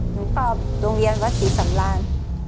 หนูตอบโรงเรียนวัดศรีสำราญ